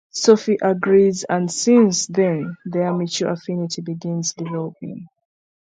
Sophie agrees and since then their mutual affinity begins developing.